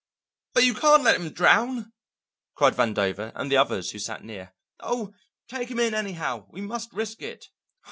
"But you can't let him drown," cried Vandover and the others who sat near. "Oh, take him in anyhow; we must risk it."